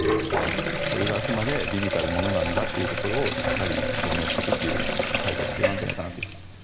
それがあくまで微々たるものなんだということをしっかり証明していくという態度が必要だと思います。